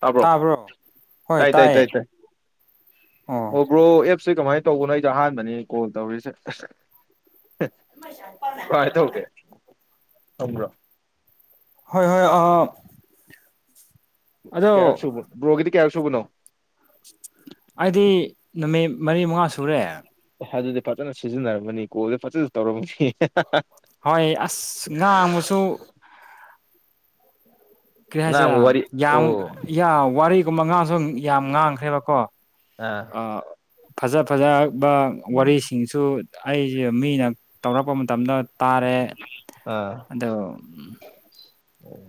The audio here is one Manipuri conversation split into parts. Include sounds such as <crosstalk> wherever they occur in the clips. ꯇꯕ꯭ꯔꯣ ꯇꯥꯕ꯭ꯔꯣ ꯍꯣꯏ ꯇꯥꯏ ꯇꯥꯏ ꯇꯥꯏ ꯇꯥꯏꯌꯦ ꯇꯥꯏ ꯑꯣ ꯕ꯭ꯔꯣ ꯑꯦꯞꯁꯦ ꯀꯃꯥꯏ ꯇꯧꯕꯅꯣ ꯑꯩꯗꯣ ꯑꯍꯥꯟꯕꯅꯤ ꯀꯣꯜ ꯇꯧꯔꯤꯁꯦ ꯀ꯭ꯔꯥꯏ ꯇꯧꯒꯦ ꯈꯪꯕ꯭ꯔꯣ ꯍꯣꯏ ꯍꯣꯏ ꯑ ꯀꯌꯥꯔꯛ ꯁꯨꯕꯣ ꯕ꯭ꯔꯣꯒꯤꯗꯤ ꯀꯌꯥꯔꯛ ꯁꯨꯕꯅꯣ <unintelligible> ꯑꯩꯗꯤ ꯅꯨꯃꯤꯠ ꯃꯔꯤ ꯃꯉꯥ ꯁꯨꯔꯦ ꯑꯦ ꯑꯗꯨꯗꯤ ꯐꯖꯅ ꯁꯤꯖꯤꯟꯅꯔꯝꯃꯅꯤ ꯀꯣꯜꯗ ꯐꯖꯅ ꯇꯧꯔꯝꯅꯤ ꯍꯣꯏ ꯑꯁ ꯉꯥꯡꯃꯁꯨ ꯀꯔꯤ ꯍꯥꯏꯁꯤꯔ ꯉꯥꯡꯕ ꯋꯥꯔꯤ ꯌꯥꯝ ꯑꯣ ꯌꯥ ꯋꯥꯔꯤꯒꯨꯝꯕ ꯉꯥꯡꯁꯨ ꯌꯥꯝ ꯉꯥꯡꯈ꯭ꯔꯦꯕꯀꯣ ꯑ ꯐꯖ ꯐꯖꯕ ꯋꯥꯔꯤ ꯁꯤꯡꯁꯨ ꯑꯩꯁꯦ ꯃꯤꯅ ꯇꯧꯔꯛꯄ ꯃꯇꯝꯗ ꯇꯥꯔꯦ ꯑꯗꯣ ꯑꯣ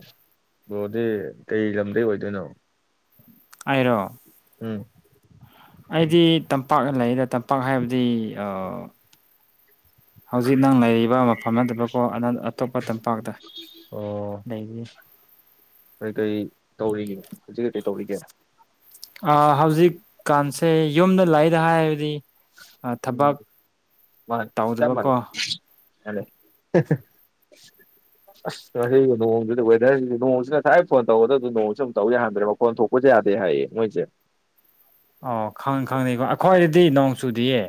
ꯕꯔꯣꯗꯤ ꯀꯩ ꯂꯝꯗꯩ ꯑꯣꯏꯗꯣꯏꯅꯣ ꯑꯩꯔꯣ ꯎꯝ ꯑꯩꯗꯤ ꯇꯝꯄꯥꯛꯅ ꯂꯩꯗ ꯇꯝꯄꯥꯛ ꯍꯥꯏꯕꯗꯤ ꯑ ꯍꯧꯖꯤꯛ ꯅꯪ ꯂꯩꯔꯤꯕ ꯃꯐꯝ ꯅꯠꯇꯕꯀꯣ ꯑꯅꯟ ꯑꯇꯣꯞꯄ ꯇꯝꯄꯥꯛꯇ ꯑꯣ ꯂꯩꯕꯅꯤ ꯀꯩꯀꯩ ꯇꯧꯔꯤꯒꯦ ꯍꯧꯖꯤꯛ ꯀꯩꯀꯩ ꯇꯧꯔꯤꯒꯦ ꯑ ꯍꯧꯖꯤꯛꯀꯥꯟꯁꯦ ꯌꯨꯝꯗ ꯂꯩꯗ ꯍꯥꯏꯕꯗꯤ ꯑ ꯎꯝ ꯊꯕꯛ ꯇꯧꯗꯕꯀꯣ ꯍꯂꯣ ꯉꯁꯤꯒꯤ ꯅꯣꯡꯗꯨꯗ ꯋꯦꯗꯔꯁꯤꯗꯤ ꯅꯣꯡꯁꯤꯅ ꯉꯁꯥꯏ ꯐꯣꯟ ꯇꯧꯒꯗꯕ ꯑꯗꯨ ꯅꯣꯡꯁꯤꯁꯨ ꯑꯝ ꯇꯧ ꯌꯥꯍꯟꯗ꯭ꯔꯦ ꯃꯈꯣꯟ ꯊꯣꯛ ꯄꯣꯠꯁꯦ ꯌꯥꯗꯦ ꯍꯥꯏꯌꯦ ꯃꯣꯏꯁꯦ ꯑꯣ ꯈꯪ ꯈꯪꯗꯦꯀꯣ ꯑꯩꯈꯣꯏꯒꯤꯗꯤ ꯅꯣꯡ ꯆꯨꯗꯤꯌꯦ꯫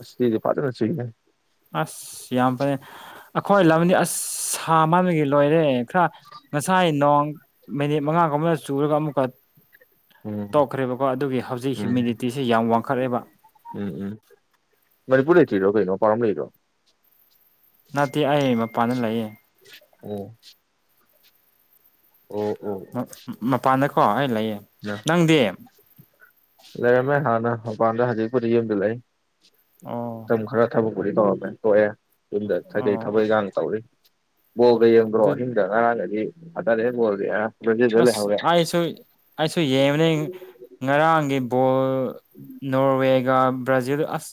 ꯑꯁ ꯁꯤꯗꯤ ꯐꯖꯅ ꯆꯨꯏꯍꯦ꯫ ꯑꯁ! ꯌꯥꯝ ꯐꯩ ꯑꯩꯈꯣꯏ ꯂꯝꯗꯤ ꯑꯁ ꯁꯥ ꯃꯥꯟꯕꯒꯤ ꯂꯣꯏꯔꯦ ꯈꯔ ꯉꯁꯥꯏ ꯅꯣꯡ ꯃꯤꯅꯤꯠ ꯃꯉꯥꯒꯨꯝꯕꯅ ꯆꯨꯔꯒ ꯑꯃꯨꯛꯀ ꯎꯝ ꯇꯣꯛꯈ꯭ꯔꯦꯕꯀꯣ ꯑꯗꯨꯒꯤ ꯍꯧꯖꯤꯛ ꯎꯝ ꯍꯤꯌꯨꯃꯤꯗꯤꯇꯤꯁꯦ ꯌꯥꯝ ꯋꯥꯡꯈꯠꯂꯦꯕ꯫ ꯎꯝ ꯎꯝ ꯃꯅꯤꯄꯨꯔ ꯂꯩꯇ꯭ꯔꯤꯔꯣ ꯀꯩꯅꯣ ꯃꯄꯥꯟꯔꯣꯝ ꯂꯩꯔꯣ꯫ ꯅꯠꯇꯦ ꯑꯩ ꯃꯄꯥꯟꯗ ꯂꯩꯌꯦ꯫ ꯑꯣ ꯑꯣ ꯑꯣ ꯃꯄꯥꯟꯗꯀꯣ ꯑꯩ ꯂꯩꯌꯦ ꯌꯥ ꯅꯪꯗꯤ ꯂꯩꯔꯝꯃꯦ ꯍꯥꯟꯅ ꯃꯄꯥꯟꯗ ꯍꯧꯖꯤꯛꯄꯨꯗꯤ ꯌꯨꯝꯗ ꯂꯩ꯫ ꯑꯣ ꯃꯇꯝ ꯈꯔ ꯊꯕꯛ ꯄꯨꯗꯤ ꯇꯧꯔꯝꯃꯦ ꯇꯣꯛꯑꯦ ꯌꯨꯝꯗ ꯀꯩꯀꯩ ꯑꯣ ꯊꯕꯛ ꯑꯣ ꯏꯪꯒꯥꯡ ꯇꯧꯔꯤ ꯕꯣꯜꯒ ꯌꯦꯡꯗ꯭ꯔꯣ ꯑꯗꯨ ꯑꯍꯤꯡꯗ ꯉꯔꯥꯡꯒꯗꯤ ꯐꯖꯔꯦ ꯕꯣꯜꯗꯤ ꯑ ꯕ꯭ꯔꯥꯖꯤꯜꯗ ꯑꯁ! ꯂꯩꯍꯧꯔꯦ ꯑꯩꯁꯨ ꯑꯩꯁꯨ ꯌꯦꯡꯕꯅꯦ ꯉꯔꯥꯡꯒꯤ ꯕꯣꯜ ꯅꯣꯔꯋꯦꯒ ꯕ꯭ꯔꯥꯖꯤꯜ ꯑꯁ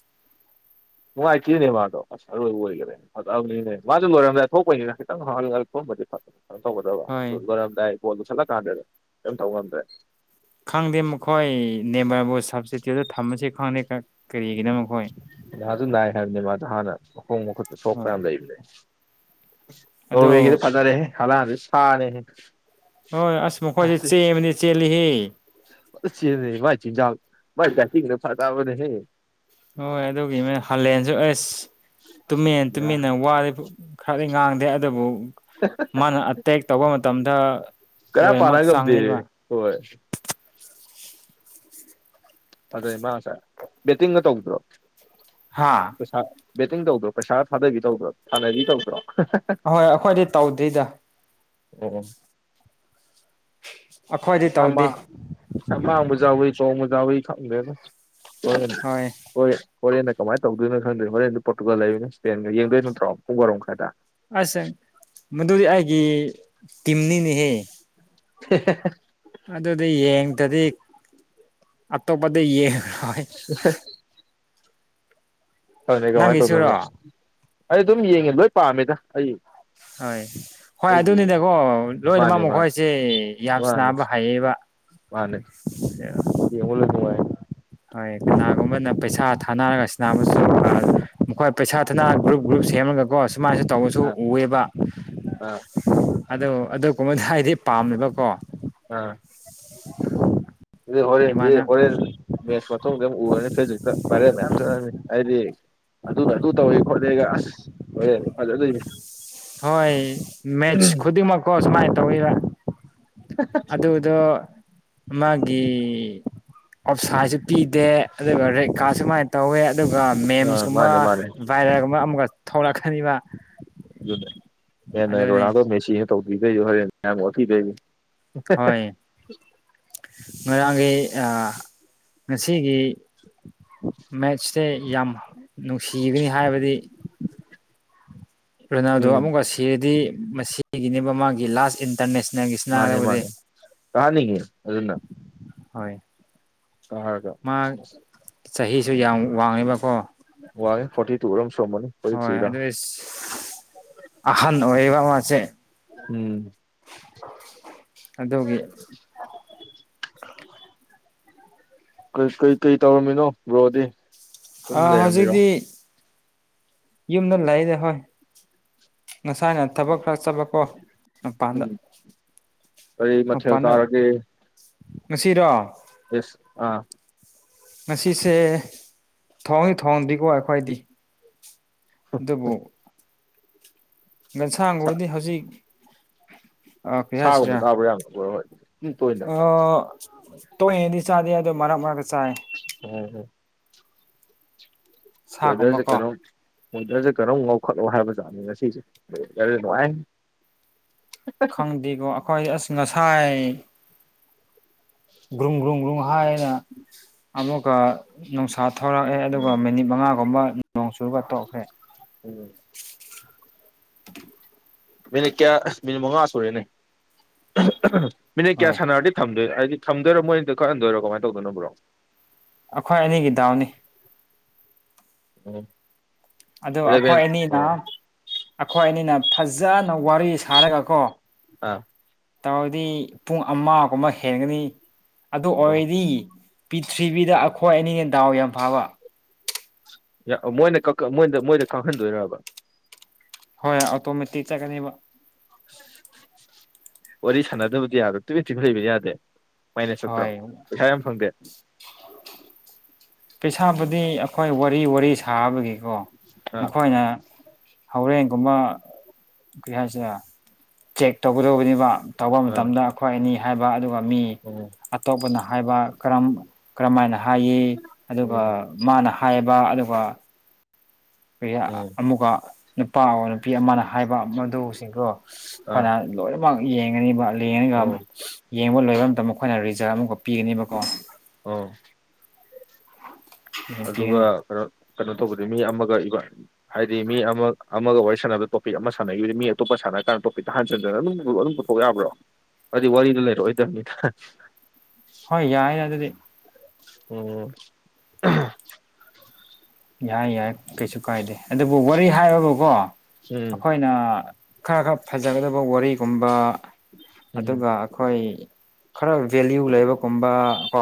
ꯅꯨꯉꯥꯏꯇꯦꯅꯦ ꯃꯥꯗꯣ ꯑꯔꯣꯏꯕ ꯑꯣꯏꯒꯔꯦꯅꯦ ꯐꯠꯖꯕꯅꯤꯅꯦ ꯃꯥꯁꯨ ꯂꯣꯏꯔꯝꯗꯥꯏ ꯊꯣꯛꯄꯩꯅꯤꯅꯦ ꯈꯤꯇꯪ <unintelligible> ꯊꯣꯡꯑꯝꯃꯗꯤ ꯐ ꯀꯩꯅꯣ ꯇꯧꯒꯗꯕ ꯍꯣꯏ ꯂꯣꯏꯔꯝꯗꯥꯏ ꯕꯣꯜꯗꯣ ꯂꯨꯁꯠꯂ ꯀꯥꯟꯗ ꯀꯩꯝ ꯇꯧ ꯉꯝꯗ꯭ꯔꯦ꯫ ꯈꯪꯗꯦ ꯃꯈꯣꯏ ꯅꯦꯝꯃꯥꯔꯕꯨ ꯁꯕꯇꯤꯇꯨ꯭ꯠꯇ ꯊꯝꯕꯁ ꯈꯪꯗꯦ ꯀꯔꯤꯒꯤꯅꯣ ꯃꯈꯣꯏ ꯅꯖꯨ ꯅꯥꯏ ꯍꯥꯏꯕꯅꯦ ꯃꯥꯗꯣ ꯍꯥꯟꯅ ꯃꯈꯣꯡ ꯃꯈꯨꯠꯇ ꯁꯣꯛꯄ ꯍꯣꯏ ꯌꯥꯝꯅ ꯂꯩꯕꯅꯦ꯫ ꯑꯗꯣ ꯅꯣꯔꯋꯦꯒꯤꯗꯤ ꯐꯖꯔꯦ ꯍꯂꯗꯦ <unintelligible> ꯍꯣꯏ ꯑꯁ ꯃꯈꯣꯏꯁꯦ ꯆꯦꯟꯕꯗꯤ ꯆꯦꯜꯂꯤꯍꯦ ꯐꯖꯅ ꯆꯦꯟꯕꯅꯦꯍꯦ ꯃꯥꯏ ꯆꯤꯟꯖꯥꯡ ꯃꯥꯏ ꯗꯥꯏꯇꯤꯡꯗꯣ ꯐꯖꯕꯅꯦꯍꯦ ꯍꯣꯏ ꯑꯗꯨꯒꯤ ꯃꯣꯏ ꯍꯥꯂꯦꯟꯁꯨ ꯑꯁ ꯇꯨꯃꯤꯟꯅ ꯕꯦꯔꯥ ꯇꯨꯃꯤꯟꯅ ꯋꯥ ꯈꯔꯗꯤ ꯉꯥꯡꯗꯦ ꯑꯗꯨꯕꯨ ꯃꯥꯅ ꯑꯦꯇꯦꯛ ꯇꯧꯕ ꯃꯇꯝꯗ ꯀꯅꯥꯝꯄꯥꯅ ꯂꯣꯏꯅꯃꯛ ꯉꯝꯗꯦ ꯆꯪꯉꯤꯕ ꯍꯣꯏ ꯑꯗꯅꯦ ꯃꯥ ꯉꯁꯥꯏ ꯕꯦꯇꯤꯡꯒ ꯇꯧꯗ꯭ꯔꯣ? ꯍꯥꯥ ꯄꯩꯁꯥ ꯕꯦꯇꯤꯡ ꯇꯧꯗ꯭ꯔꯣ ꯄꯩꯁꯥ ꯊꯥꯗꯕꯤ ꯇꯧꯗ꯭ꯔꯣ ꯊꯥꯅꯕꯤ ꯇꯧꯗ꯭ꯔꯣ ꯑꯍꯣꯏ ꯑꯩꯈꯣꯏꯗꯤ ꯇꯧꯗꯤꯗ ꯑꯣ ꯑꯩꯈꯣꯏꯗꯤ ꯄꯩꯁꯥ ꯃꯥ ꯇꯧꯗꯦ ꯄꯩꯁꯥ ꯃꯥꯥꯡꯕꯁꯨ ꯌꯥꯎ ꯏ ꯇꯣꯡꯕꯁꯨ ꯌꯥꯏ ꯈꯪꯗꯦꯗ ꯍꯣꯔꯦꯟ ꯍꯣꯏ ꯍꯣꯔꯦꯟꯅ ꯀꯃꯥꯏ ꯇꯧꯗꯣꯏꯅꯣ ꯈꯪꯗꯦ ꯍꯣꯔꯦꯟꯗꯣ ꯄꯣꯔꯇꯨꯒꯜ ꯂꯩꯕꯅꯤ ꯏꯁꯄꯦꯟꯒ ꯌꯦꯡꯗꯣꯏ ꯅꯠꯇ꯭ꯔꯣ ꯄꯨꯡ ꯋꯥꯔꯣꯝ ꯈꯥꯏꯗ ꯑꯁ ꯃꯗꯨꯗꯤ ꯑꯩꯒꯤ ꯇꯤꯝꯅꯤꯅꯦꯍꯦ ꯍ ꯑꯗꯨꯗꯤ ꯌꯦꯡꯗꯗꯤ ꯑꯇꯣꯞꯄꯗ ꯌꯦꯡꯉꯔꯣꯏ <inaudible> ꯍꯣꯏ ꯍꯣꯏ ꯀꯃꯥꯏ‌ ꯅꯪꯒꯤꯁꯨꯔꯣ ꯇꯧꯗꯣꯏꯕ ꯑꯩ ꯑꯗꯨꯝ ꯌꯦꯡꯉꯦ ꯂꯣꯏ ꯄꯥꯝꯃꯦꯗ ꯑꯩ ꯍꯣꯏ ꯍꯣꯏ ꯂꯣꯏ ꯌꯦꯡꯉꯦ ꯑꯗꯨꯅꯤꯗꯀꯣ ꯂꯣꯏꯅꯃꯛ ꯃꯥꯅꯦ ꯃꯥꯅꯦ ꯃꯈꯣꯏꯁꯦ ꯌꯥꯝ ꯃꯥꯅꯦ ꯁꯟꯅꯥꯕ ꯍꯩꯌꯦꯕ ꯃꯥꯅꯦ ꯌꯦꯡꯕ ꯂꯣꯏ ꯅꯨꯡꯉꯥꯏ ꯍꯣꯏ ꯀꯅꯥꯒꯨꯝꯕꯅ ꯄꯩꯁꯥ ꯊꯥꯅꯔꯒ ꯁꯟꯅꯥꯕꯁꯨ ꯃꯈꯣꯏ ꯄꯩꯁꯥ ꯊꯅ ꯒ꯭ꯔꯨꯞ ꯒ꯭ꯔꯨꯞ ꯁꯦꯝꯃꯒꯀꯣ ꯁꯨꯃꯥꯏꯁꯨ ꯇꯧꯑꯁꯨ ꯑꯥ ꯎꯌꯦꯕ ꯑꯥ ꯑꯗꯨ ꯑꯗꯨ ꯀꯨꯝꯕꯗ ꯍꯥꯏꯗꯤ ꯄꯥꯝꯗꯕꯀꯣ ꯑ ꯑꯗꯨ ꯍꯔꯦꯟꯗꯤ ꯏꯃꯥꯅ ꯍꯣꯔꯦꯟ ꯃꯦꯠꯁ ꯃꯊꯧꯖꯝ ꯎꯔꯅꯤ ꯐꯦꯁꯕꯨꯛꯇ ꯕꯥꯏꯔꯦꯟ ꯃꯌꯥꯝ ꯆꯠꯂꯅꯤ ꯑꯩꯗꯤ ꯑꯗꯨꯅ ꯑꯗꯨ ꯇꯧꯋꯦ ꯈꯣꯠꯂꯦꯒ ꯑꯁ ꯍꯣꯔꯦꯟ ꯐꯖꯗꯣꯏꯅꯤ ꯍꯣꯏ ꯃꯦꯁ ꯈꯨꯗꯤꯡꯃꯛ ꯀꯣ ꯁꯨꯃꯥꯏ ꯇꯧꯏꯗ ꯑꯗꯨꯗꯣ ꯃꯥꯒꯤ ꯑꯣꯞꯁꯥꯁꯨ ꯄꯤꯗꯦ ꯑꯗꯨꯒ ꯔꯦꯠꯒꯥꯁꯨ ꯃꯥꯏ ꯇꯧꯋꯦ ꯑꯗꯨꯒ ꯑ ꯃꯦꯝꯁꯀꯨꯝꯕ ꯃꯥꯅꯦ ꯃꯥꯅꯦ ꯚꯥꯏꯔꯦꯞꯒꯨꯝꯕ ꯑꯃꯨꯛꯀ ꯊꯣꯛꯂꯛꯀꯅꯤꯕ ꯑꯗꯨꯅꯦ ꯍꯦꯟꯅ ꯑꯗꯨꯅꯤ ꯔꯣꯅꯥꯜꯗꯣ ꯃꯦꯁꯤꯅ ꯇꯧꯕꯤꯗꯣꯏꯗꯨ ꯍꯣꯔꯦꯟ ꯃꯌꯥꯝ ꯑꯣꯠꯄꯤꯗꯣꯏꯅꯤ ꯍꯣꯏ ꯉꯣꯏꯔꯥꯡꯒꯤ ꯑ ꯉꯁꯤꯒꯤ ꯃꯦꯠꯁꯦ ꯌꯥꯝ ꯅꯨꯡꯁꯤꯒꯅꯤ ꯍꯥꯏꯕꯗꯤ ꯔꯣꯅꯥꯜꯗꯣ ꯎꯝ ꯑꯃꯨꯛꯀ ꯁꯤꯔꯗꯤ ꯃꯁꯤꯒꯤꯅꯦꯕ ꯃꯥꯒꯤ ꯂꯥꯁ ꯏꯟ ꯏꯟꯇꯔꯅꯦꯁꯅꯦꯜꯒꯤ ꯃꯥꯅꯦ ꯏꯁꯅꯔꯕꯨꯗꯤ ꯃꯥꯅꯦ ꯀꯥꯍꯟꯅꯤꯡꯉꯤ ꯑꯗꯨꯅ ꯍꯣꯏ ꯀꯥꯔꯒ ꯃꯥ ꯆꯍꯤꯁꯨ ꯌꯥꯝ ꯋꯥꯡꯉꯦꯕꯀꯣ ꯋꯥꯡꯉꯦ ꯐꯣꯔꯇꯤ ꯇꯨ ꯔꯝ ꯁꯨꯔꯝꯃꯅꯤ ꯍꯣꯏ ꯑꯗꯨꯍ ꯑꯍꯟ ꯑꯣꯏꯌꯦꯕ ꯃꯥꯁꯦ ꯎꯝ ꯑꯗꯨꯒꯤ <inaudible> ꯀꯩ ꯀꯩ ꯀꯩ ꯇꯧꯔꯝꯃꯤꯅꯣ ꯕ꯭ꯔꯣꯗꯤ ꯑꯗꯨꯝ ꯥꯑ ꯂꯩꯔꯝꯃꯤꯔꯣ ꯍꯧꯖꯤꯛꯇꯤ ꯌꯨꯝꯗ ꯂꯩꯗ ꯍꯣꯏ ꯉꯁꯥꯏꯅ ꯊꯕꯛ ꯈꯔ ꯆꯠꯂꯀꯣ ꯃꯄꯥꯟꯗ ꯎꯝ ꯀꯔꯤ ꯃꯊꯦꯜ ꯃꯄꯥꯟꯗ ꯆꯥꯔꯒꯦ ꯉꯁꯤꯔꯣ ꯏꯁ ꯑꯥ ꯉꯁꯤꯁꯦ ꯊꯣꯡ ꯊꯣꯡꯗꯦꯒꯣ ꯑꯈꯣꯏꯗꯤ ꯑꯗꯨꯕꯨ ꯁꯥ ꯉꯥꯁꯥꯡꯕꯨꯗꯤ ꯍꯧꯖꯤꯛ ꯀꯔꯤ ꯁꯥꯒꯨꯝꯕ ꯆꯥꯕ ꯌꯥꯕ꯭ꯔ ꯕꯣꯔ ꯍꯣꯏ ꯑꯗꯨꯝ ꯇꯣꯏꯅ ꯑ ꯇꯣꯏꯅꯗꯤ ꯆꯥꯗꯦ ꯑꯗꯣ ꯃꯔꯛ ꯃꯔꯛ ꯆꯥꯏ ꯑꯣ ꯋꯦꯗꯔꯖꯦ ꯁꯥꯒꯨꯝꯕꯀꯣ ꯀꯩꯅꯣꯝ ꯋꯦꯗꯔꯖꯦ ꯀꯩꯅꯣꯝ ꯉꯧꯈꯠꯂꯣ ꯍꯥꯏꯕꯖꯥꯠꯅꯤ ꯉꯁꯤꯁꯦ ꯋꯦꯗ꯭ꯔ ꯅꯨꯡꯉꯥꯏ ꯈꯪꯗꯦꯀꯣ ꯑꯈꯣꯏ ꯑꯁ ꯉꯁꯥꯏ ꯒ꯭ꯔꯨꯡ ꯒ꯭ꯔꯨꯡ ꯒ꯭ꯔꯨꯡ ꯍꯥꯏꯅ ꯑꯃꯨꯛꯀ ꯅꯨꯡꯁꯥ ꯊꯣꯔꯛꯑꯦ ꯑꯗꯨꯒ ꯃꯤꯅꯤꯠ ꯃꯉꯥꯒꯨꯝꯕ ꯅꯣꯡ ꯆꯨꯔꯒ ꯇꯣꯛꯈ꯭ꯔꯦ ꯎꯝ ꯃꯤꯅꯤꯠ ꯀꯌꯥ ꯑꯁ ꯃꯤꯅꯤꯠ ꯃꯉꯥ ꯁꯨꯔꯦꯅꯦ ꯃꯤꯅꯤꯠ ꯀꯌꯥ ꯍꯣꯏ ꯁꯥꯟꯅꯔꯗꯤ ꯊꯝꯗꯣꯏ ꯑꯥꯏꯗꯤ ꯊꯝꯗꯣꯏꯔ ꯃꯣꯏꯅꯗ ꯈꯛꯍꯟꯗꯣꯏꯔ ꯀꯃꯥꯏ ꯇꯧꯗꯣꯏꯅꯣ ꯕ꯭ꯔꯣ ꯑꯈꯣꯏ ꯑꯅꯤꯒꯤ ꯗꯥꯎꯅꯤ ꯑꯣ ꯑꯗꯣ ꯑꯩꯈꯣꯏ ꯑꯦꯂꯚꯦꯟ ꯑꯅꯤꯅ ꯑꯩꯈꯣꯏ ꯑꯅꯤꯅ ꯐꯖꯅ ꯋꯥꯔꯤ ꯁꯥꯔꯒ ꯀꯣ ꯑꯥ ꯇꯧꯔꯗꯤ ꯄꯨꯡ ꯑꯃꯒꯨꯝꯕ ꯍꯦꯟꯒꯅꯤ ꯑꯗꯨ ꯑꯣꯏꯔꯗꯤ ꯄꯤꯔꯤꯊꯤꯕꯤꯗ ꯑꯩꯈꯣꯏ ꯑꯅꯤꯅ ꯗꯥꯎ ꯌꯥꯝ ꯐꯥꯕ ꯃꯣꯏꯅ ꯀꯥꯡ ꯃꯣꯏꯗ ꯀꯥꯍꯟꯗꯣꯏꯔꯕ ꯍꯣꯏ ꯑꯣꯇꯣꯃꯦꯇꯤꯛ ꯆꯠꯀꯅꯦꯕ ꯋꯥꯔꯤ ꯁꯥꯟꯅꯗꯕꯗꯤ ꯌꯥꯔꯣꯏ ꯇꯨꯃꯤꯟ ꯇꯨꯃꯤꯟ ꯂꯩꯕꯗꯤ ꯌꯥꯗꯦ ꯃꯥꯏꯅꯦꯁ ꯆꯠꯇ꯭ꯔꯣ ꯍꯣꯏ ꯄꯩꯁꯥ ꯌꯥꯝ ꯐꯪꯗꯦ ꯄꯩꯁꯥꯕꯨꯗꯤ ꯑꯩꯈꯣꯏ ꯋꯥꯔꯤ ꯋꯥꯔꯤ ꯁꯥꯕꯒꯤꯀꯣ ꯑꯥ ꯃꯈꯣꯏꯅ ꯍꯣꯔꯦꯟꯒꯨꯝꯕ ꯀꯩ ꯍꯥꯏꯁꯦꯔꯥ ꯆꯦꯛ ꯇꯧꯒꯗꯧꯕꯅꯤꯕ ꯇꯧꯕ ꯑꯥ ꯃꯇꯝꯗ ꯑꯩꯈꯣꯏ ꯑꯅꯤ ꯍꯥꯏꯕ ꯑꯗꯨꯒ ꯃꯤ ꯎꯝ ꯑꯇꯣꯞꯄꯅ ꯍꯥꯏꯕ ꯀꯔꯝ ꯀꯔꯝꯃꯥꯏꯅ ꯍꯥꯏꯌꯦ ꯑꯗꯨꯒ ꯎꯝ ꯃꯥꯅ ꯍꯥꯏꯕ ꯑꯗꯨꯒ ꯎꯝ ꯑꯃꯨꯛꯀ ꯅꯨꯄꯥ ꯅꯨꯄꯤ ꯑꯃꯅ ꯍꯥꯏꯕ ꯃꯗꯨꯁꯤꯡꯗꯣ ꯑꯥ ꯑꯩꯈꯣꯏꯅ ꯂꯣꯏꯅꯃꯛ ꯌꯦꯡꯉꯅꯤꯕ ꯂꯦꯡꯉꯒ ꯑꯣ ꯌꯦꯡꯕ ꯂꯣꯏꯕ ꯃꯇꯝꯗ ꯃꯈꯣꯏꯅ ꯔꯤꯖꯜ ꯑꯃꯨꯀꯥ ꯄꯤꯒꯅꯤꯕꯀꯣ ꯑꯣ ꯑꯗꯨꯒ ꯄꯤꯒꯅꯤ ꯀꯩꯅꯣ ꯀꯩꯅꯣ ꯇꯧꯕꯗꯤ ꯃꯤ ꯑꯃꯒ ꯏꯕ ꯍꯥꯏꯗꯤ ꯃꯤ ꯑꯃ ꯑꯃꯒ ꯋꯥꯔꯤ ꯁꯥꯟꯅꯕ ꯍꯥꯏꯗꯤ ꯃꯤ ꯑꯃꯒ ꯋꯥꯔꯤ ꯁꯅꯕꯗꯣ ꯇꯣꯄꯤꯛ ꯑꯃ ꯁꯥꯟꯅꯈꯤꯕꯗꯤ ꯃꯤ ꯑꯇꯣꯞꯄꯥꯟꯅ ꯀꯥꯟꯗ ꯇꯣꯄꯤꯛꯇ ꯍꯟꯖꯤꯟꯗꯅ ꯑꯗꯨꯝ ꯍꯥꯏꯗꯤ ꯋꯥꯔꯤꯗꯨ ꯂꯩꯔꯛꯑꯣꯏꯗꯕꯅꯤꯗ ꯍꯣꯏ ꯌꯥꯏ ꯑꯗꯨꯗꯤ ꯎꯝ ꯌꯥꯏ ꯌꯥꯏ ꯀꯩꯁꯨ ꯀꯥꯏꯗꯦ ꯑꯗꯨꯕꯨ ꯋꯥꯔꯤ ꯍꯥꯏꯔꯒꯀꯣ ꯎꯝ ꯑꯩꯈꯣꯏ ꯈꯔ ꯈꯔ ꯐꯖꯒꯗꯕ ꯋꯥꯔꯤꯒꯨꯝꯕ ꯎꯝ ꯑꯗꯨꯒ ꯑꯩꯈꯣꯏ ꯈꯔ ꯚꯦꯂꯌꯨ ꯂꯩꯕꯒꯨꯝꯕ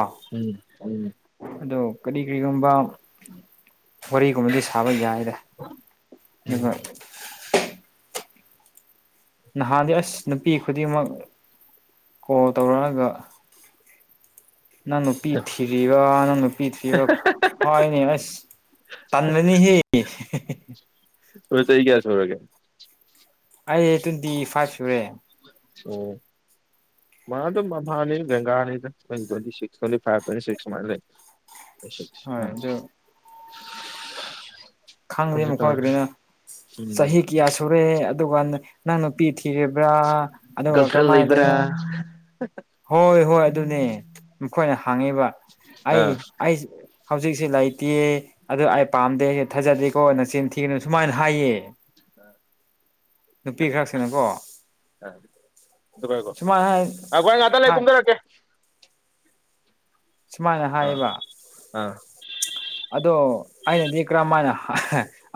<inaudible> ꯑꯗꯣ ꯀꯔꯤ ꯀꯔ꯭ꯤꯒꯨꯝꯕ ꯋꯥꯔꯤꯒꯨꯝꯕꯗꯤ ꯁꯥꯕ ꯌꯥꯏꯗꯦ ꯑꯗꯨꯒ ꯎꯝ ꯅꯍꯥꯟꯗꯤ ꯑꯁ ꯅꯨꯄꯤ ꯈꯨꯗꯤꯡꯃꯛ ꯀꯣꯜ ꯇꯧꯔꯛꯑꯒ ꯅꯪ ꯅꯨꯄꯤ ꯊꯤꯔꯤꯔ ꯅꯪ ꯅꯨꯄꯤ ꯊꯤꯔꯤꯔ ꯍꯥꯏꯅꯦ ꯑꯁ ꯇꯥꯟꯂꯅꯤꯍꯦ ꯆꯍꯤ ꯀꯌꯥ ꯁꯨꯔꯒꯦ ꯑꯩ ꯇ꯭ꯨꯋꯦꯟꯇꯤ ꯐꯥꯏꯚ ꯁꯨꯔꯦ ꯑꯣ ꯃꯥꯗꯨꯝ ꯑꯝꯍꯅꯤꯗ ꯂꯦꯡꯒꯥꯅꯤꯗ twenty six twenty five twenty six ꯁꯨꯃꯥꯏ ꯂꯩ ꯍꯣꯏ ꯑꯗꯨ <unintelligible> ꯈꯪꯗꯦ ꯈꯪꯒꯦ ꯃꯈꯣꯏ ꯇꯧꯔꯦ ꯀ꯭ꯔꯤꯅ ꯆꯍꯤ ꯎꯝ ꯀꯌꯥ ꯁꯨꯔꯦ ꯑꯗꯨꯒ ꯅꯪ ꯅꯨꯄꯤ ꯊꯤꯔꯤꯕ꯭ꯔꯥ ꯑꯗꯨꯒ ꯒꯔꯜꯐ꯭ꯔꯦꯟ ꯀꯔꯝꯃꯥꯏ ꯇꯧꯔꯤꯔ ꯂꯩꯕ꯭ꯔꯥ? ꯍꯣꯏ ꯍꯣꯏ ꯑꯗꯨꯅꯦ ꯃꯈꯣꯏꯅ ꯍꯥꯡꯉꯤꯕ ꯑꯩ ꯑꯥ ꯑꯩꯁ ꯍꯧꯖꯤꯛꯁꯦ ꯂꯩꯇꯦ ꯑꯗꯨ ꯑꯩ ꯄꯥꯝꯗꯦ ꯊꯥꯖꯗꯦꯀꯣ ꯅꯆꯤꯟ ꯊꯤꯒꯅꯨ ꯁꯨꯃꯥꯏꯅ ꯍꯥꯏꯌꯦ <inaudible> ꯅꯨꯄꯤ ꯈꯔꯁꯤꯅꯀꯣ ꯁꯨꯃꯥꯏꯅ ꯑꯈꯣ ꯑꯩ ꯉꯍꯥꯛꯇꯪ ꯂꯩ ꯍꯥꯏ ꯀꯨꯝꯗꯔꯛꯀꯦ ꯁꯨꯃꯥꯏꯅ ꯑꯥ ꯍꯥꯏꯌꯦꯕ ꯑꯥ ꯑꯗꯣ ꯑꯩꯅꯗꯤ ꯀꯔꯝꯃꯥꯏꯅ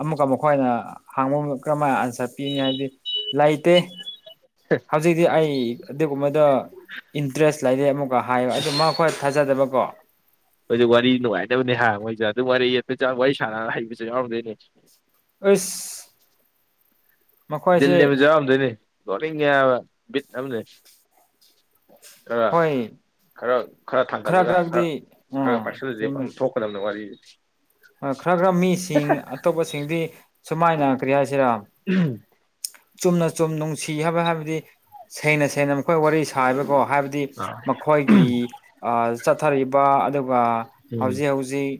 ꯑꯃꯨꯛꯀ ꯃꯈꯣꯏꯅ <unintelligible> ꯀꯔꯝꯃꯥꯏ ꯑꯟꯁꯔ ꯄꯤꯅꯤ ꯍꯥꯏꯕꯗꯤ ꯂꯩꯇꯦ ꯍꯧꯖꯤꯛꯇꯤ ꯑꯩ ꯑꯗꯨꯒꯨꯝꯕꯗꫭ ꯏꯟꯇꯔꯦꯁ ꯂꯩꯔꯦ ꯑꯃꯨꯛꯀ ꯍꯥꯏꯕ ꯑꯗꯨ ꯁꯤꯁ ꯃꯥ ꯍꯣꯏ ꯊꯥꯖꯗꯕꯀꯣ <unintelligible> ꯋꯥꯔꯤ ꯅꯨꯡꯉꯥꯏꯇꯕꯅꯦ ꯍꯥꯏ ꯃꯣꯏꯖꯨ ꯑꯗꯨ ꯋꯥꯔꯤ <unintelligible> ꯋꯥꯔꯤ ꯁꯥꯟꯅ ꯍꯩꯕꯖꯨ ꯌꯥꯎꯔꯝꯗꯣꯏꯅꯦ ꯑꯩꯁ ꯗꯤꯜ ꯂꯦꯟꯕꯖꯨ ꯌꯥꯎꯔꯝꯗꯣꯏꯅꯤ ꯅꫭꯛꯅꯤꯡꯉꯦꯕ ꯕꯤꯠ ꯑꯃꯅꯦ ꯈꯔ ꯍꯣꯏ ꯈꯔ ꯈꯔ ꯊꯥꯡꯒꯠꯂꯒ ꯈꯔ ꯈꯔꯗꯤ ꯈꯔ ꯎꯝ ꯄꯥꯏꯁꯤꯜꯂꯗꯤ ꯆꯨꯝꯃꯦ ꯄꯪꯊꫭꯛ <unintelligible> ꯋꯥꯔꯤ ꯈꯔ ꯈꯔ ꯃꯤꯁꯤꯡ ꯑꯇꯣꯞꯄꯁꯤꯡꯗꯤ ꯁꯨꯃꯥꯏꯅ ꯀꯔꯤ ꯍꯥꯏꯁꯤꯔꯥ ꯆꯨꯝꯅ ꯆꯨꯝ ꯅꯨꯡꯁꯤ ꯍꯥꯏꯕ ꯍꯥꯏꯕꯗꯤ ꯁꯦꯡꯅ ꯁꯦꯡꯅ ꯃꯈꯣꯏ ꯋꯥꯔꯤ ꯁꯥꯕꯀꯣ ꯍꯥꯏꯕꯗꯤ ꯑꯥ ꯃꯈꯣꯏꯒꯤ ꯑꯥ‌ ꯆꯠꯊꯔꯤꯕ ꯑꯗꯨꯒ ꯎꯝ ꯍꯧꯖꯤꯛ ꯍꯧꯖꯤꯛ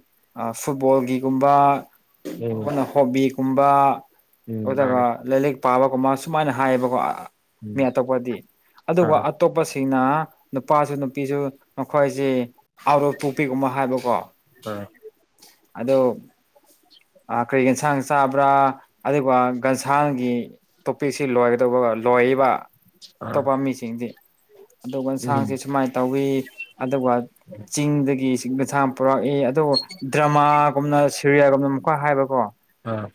ꯐꯨꯠꯕꯣꯜꯒꯤꯒꯨꯝꯕ ꯎꯝ ꯑꯩꯈꯣꯏꯅ ꯍꯣꯕꯤꯒꯨꯝꯕ ꯎꯝ ꯑꯗꯨꯒ ꯃꯥꯅꯦ ꯂꯥꯏꯂꯤꯛ ꯄꯥꯕꯒꯨꯝꯕ ꯁꯨꯃꯥꯏꯅ ꯍꯥꯏꯌꯦꯕꯀꯣ ꯎꯝ ꯃꯤ ꯑꯇꯣꯞꯄꯗꯤ ꯑꯗꯨꯒ ꯑꯥ ꯑꯇꯣꯞꯄꯁꯤꯡꯅ ꯅꯨꯄꯥꯁꯨ ꯅꯨꯄꯤꯁꯨ ꯃꯈꯣꯏꯖꯦ ꯑꯥꯎꯠ ꯑꯣꯐ ꯄꯣꯛꯄꯤꯒꯨꯝꯕ ꯍꯥꯏꯕꯀꯣ <unintelligible> ꯑꯗꯣ ꯑꯥ ꯀꯔꯤ ꯌꯦꯟꯁꯥꯡ ꯆꯥꯕ꯭ꯔꯥ ꯑꯗꯨꯒ ꯒꯟꯁꯥꯡꯒꯤ ꯇꯣꯄꯤꯛꯁꯤ ꯂꯣꯏꯒꯗꯧꯕ ꯂꯣꯏꯌꯦꯕ ꯑꯥ ꯑꯇꯣꯞꯄ ꯃꯤꯁꯤꯡꯗꯤ ꯑꯗꯨꯒ ꯎꯝ ꯌꯦꯟꯁꯥꯡꯁꯤ ꯁꯨꯃꯥꯏꯅ ꯇꯧꯋꯤ ꯑꯗꯨꯒ ꯆꯤꯡꯗꯒꯤ <unintelligible> ꯄꯨꯔꯛꯏ ꯑꯗꯨꯒ ꯗ꯭ꯔꯃꯥꯒꯨꯝꯅ ꯁꯦꯔꯦꯌꯦꯜꯒꯨꯝꯅ ꯀ ꯍꯥꯏꯕꯀꯣ ꯑꯥ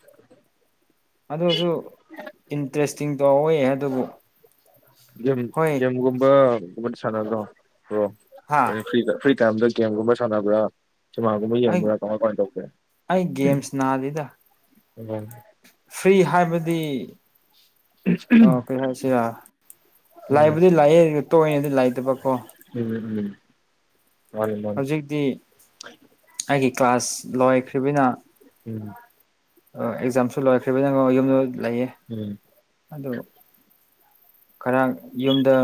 ꯑꯗꯨꯁꯨ ꯏꯟꯇꯔꯦꯁꯇꯤꯡ ꯇꯩꯋꯦ ꯑꯗꯨꯕꯨ ꯒꯦꯝ ꯍꯣꯏ ꯒꯦꯝꯒꯨꯝꯕꯒꯨꯝꯕꯗꯤ ꯁꯥꯟꯅꯗ꯭ꯔꯣ ꯍꯥ ꯕꯔꫭ ꯐ꯭ꯔꯤꯗ ꯐ꯭ꯔꯤ ꯇꯥꯏꯝꯗ ꯀꯦꯝꯒꯨꯝꯕ ꯁꯥꯟꯅꯕ꯭ꯔꯥ ꯁꯤꯃꯥꯒꯨꯝꯕ ꯑꯩ ꯌꯦꯡꯕ꯭ꯔꯥ ꯀꯃꯥꯏ ꯀꯃꯥꯏꯅ ꯇꯧꯒꯦ ꯑꯩ ꯒꯦꯝꯁ ꯅꯥꯗꯦꯗ <unintelligible> ꯐ꯭ꯔꯤ ꯍꯥꯏꯕꯗꯤ ꯑꯣ ꯀꯩ ꯍꯥꯏꯁꯤꯔ ꯎꯝ ꯂꯥꯏꯕꯨꯗꯤ ꯂꯥꯛꯑꯦ ꯇꯣꯏꯅꯗꯤ ꯂꯥꯏꯇꯕꯀꯣ ꯎꯝ ꯃꯥꯅꯤ ꯃꯥꯅꯤ ꯍꯧꯖꯤꯛꯇꯤ ꯑꯩꯒꯤ ꯀ꯭ꯂꯥꯁ ꯂꯣꯏꯈ꯭ꯔꯤꯕꯤꯅ ꯎꯝ ꯑꯣ ꯑꯦꯛꯖꯥꯝꯁꯨ ꯂꯣꯏꯈ꯭ꯔꯤꯕꯤꯅꯉꫭ ꯌꯨꯝꯗ ꯂꯩꯌꯦ ꯎꯝ ꯑꯗꫭ ꯈꯔ ꯌꯨꯝꯗ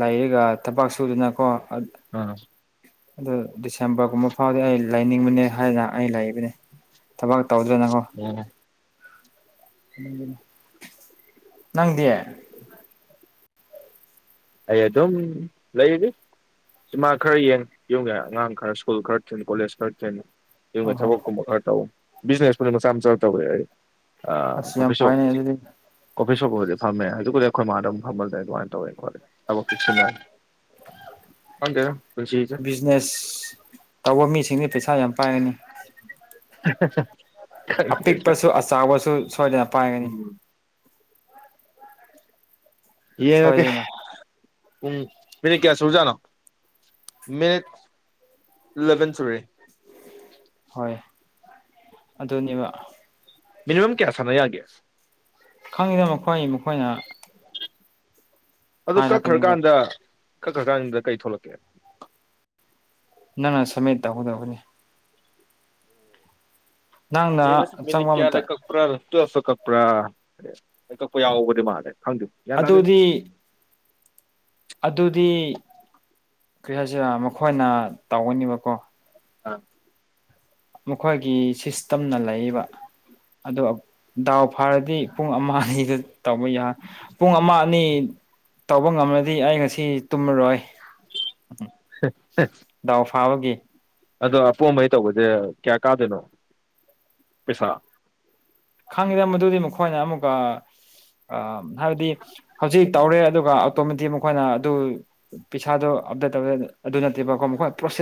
ꯂꯩꯔꯒ ꯊꯕꯛ ꯁꯨꯗꯅꯀꯣ <unintelligible> ꯑꯗꯨ ꯗꯤꯁꯦꯝꯕꯔꯒꯨꯝꯕ ꯐꯥꯎꯗꯤ ꯑꯩ ꯂꯩꯅꯤꯡꯕꯅꯦ ꯍꯥꯏꯅ ꯑꯩ ꯂꯩꯕꯅꯤ ꯊꯕꯛ ꯇꯧꯗ꯭ꯔꯦꯅꯀꯣ ꯑꯣ ꯅꯪꯗꯤ ꯑꯩ ꯑꯗꯨꯝ ꯂꯩꯔꯤ ꯁꯤꯃꯥ ꯈꯔ ꯌꯦꯡ ꯌꯨꯝꯒꯤ ꯑꯉꯥꯡ ꯈꯔ ꯁ꯭ꯀꯨꯜ ꯈꯔ ꯊꯤꯟ ꯀꯣꯂꯦꯖ ꯈꯔ ꯊꯤꯟ ꯌꯨꯝꯒꯤ ꯑꯣꯍꯣ ꯊꯕꯛꯀꯨꯝꯕ ꯈꯔ ꯇꯧ ꯕꯤꯖꯤꯅꯦꯁꯄꯨꯗꯤ ꯃꯆꯥ ꯃꯆꯥ ꯇꯧꯔꯦ ꯑꯩ ꯑꯥ ꯑꯁ ꯌꯥꯝ ꯀꫭꯐꯤꯁꯣꯝ ꯐꯩꯅꯦ ꯑꯗꯨꯗꯤ ꯀꯣꯐꯤ ꯁꯣꯞꯕꯨꯗꯤ ꯐꯝꯃꯦ ꯑꯗꯨꯕꯨꯗꯤ ꯑꯩꯈꯣꯏ ꯃꯥꯗ ꯑꯃꯨꯛ ꯐꯝꯍꯜꯂꯦ ꯑꯗꯨꯃꯥꯏꯅ ꯇꯧꯋꯦ ꯈꯣꯠꯂꯦ ꯊꯕꯛ ꯆꯠꯁꯤꯅ ꯈꯪꯗꯦꯅ ꯕꯤꯖꯤꯅꯦꯁ ꯇꯧꯕ ꯃꯤꯁꯤꯡꯗꯤ ꯄꯩꯁꯥ ꯌꯥꯝ ꯄꯥꯏꯔꯅꯤ <unintelligible> ꯈꯪꯗꯦꯗ ꯑꯄꯤꯛꯄꯁꯨ ꯑꯆꯕꯁꯨ ꯁꯣꯏꯗꯅ ꯄꯥꯏꯒꯅꯤ ꯎꯝ ꯌꯦꯡꯉꯒꯦ ꯁꯣꯏꯗꯅ ꯄꯨꯡ ꯃꯤꯅꯤꯠ ꯀꯌꯥ ꯁꯨꯖꯥꯠꯅꯣ ꯃꯤꯅꯤꯠ ꯏꯂꯚꯦꯟ ꯁꯨꯔꯦ ꯍꯣꯏ ꯑꯗꯨꯅꯦꯕ ꯃꯤꯅꯤꯃꯝ ꯀꯌꯥ ꯁꯅꯥ ꯌꯥꯒꯦ ꯈꯪꯉꯤꯗꯅ ꯃꯈꯣꯏ ꯃꯈꯣꯏꯅ ꯑꯗꯨ ꯍꯥꯏꯔꯛꯀꯅꯤꯕ ꯀꯛꯈ꯭ꯔꯀꯥꯟꯗ ꯀꯛꯈ꯭ꯔꯀꯥꯟꯗꯨꯗ ꯀꯩ ꯊꯣꯛꯂꯛꯀꯦ ꯅꯪꯅ ꯁꯃꯤꯠ ꯇꯧꯒꯗꯧꯕꯅꯤ ꯅꯪꯅ ꯌꯦꯡꯉꯁꯤ ꯃꯤꯅꯤꯠ ꯆꯪꯕ ꯀꯌꯥꯗ ꯃꯇꯝ ꯀꯛ ꯄ꯭ꯔꯥ ꯇꯨꯌꯦꯠꯇ ꯀꯛꯄ꯭ꯔꯥ ꯀꯛꯄ ꯌꯥꯎꯕꯗꯤ ꯃꯥꯜꯂꯦ ꯈꯪꯗꯦ ꯒ꯭ꯌꯥꯟ ꯇꯥꯗꯦ ꯑꯗꯨꯗꯤ ꯑꯗꯨꯗꯤ ꯀꯔꯤ ꯍꯥꯏꯁꯤꯔ ꯃꯈꯣꯏꯅ ꯇꯧꯒꯅꯦꯕꯀꯣ ꯑꯥ ꯃꯈꯣꯏꯒꯤ ꯁꯤꯁꯇꯦꯝꯅ ꯂꯩꯕ ꯑꯗꯣ ꯗꯥꯎ ꯐꯥꯔꯗꯤ ꯄꯨꯡ ꯑꯃ ꯑꯅꯤꯗ ꯇꯧꯕ ꯌꯥ ꯄꯨꯡ ꯑꯃ ꯑꯅꯤ ꯇꯧꯕ ꯉꯝꯔꯗꯤ ꯑꯩ ꯉꯁꯤ ꯇꯨꯝꯃꯔꯣꯏ ꯎꯝ <unintelligible> ꯗꯥꯎ ꯐꯥꯕꯒꯤ ꯑꯗꯣ ꯑꯄꯣꯝꯕꯩ ꯇꯧꯕꯁꯦ ꯀꯌꯥ ꯀꯥꯞꯗꯣꯏꯅꯣ ꯄꯩꯁꯥ ꯈꯪꯉꯤꯗ ꯃꯗꯨꯗꯤ ꯃꯈꯣꯏꯅ ꯑꯃꯨꯛꯀ ꯍꯥꯏꯕꯗꯤ ꯍꯧꯖꯤꯛ ꯇꯧꯔꯦ ꯑꯗꯨꯒ ꯑꯣꯇꯣꯃꯦꯇꯤꯛ ꯃꯈꯣꯏꯅ ꯑꯗꯨ ꯄꯩꯁꯥꯗꯣ ꯑꯞꯗꯦꯠ ꯇꯧ ꯑꯗꯨ ꯅꯠꯇꯦꯕꯀꯣ ꯃꯈꯣꯏ ꯄ꯭ꯔꯣꯁꯦꯁ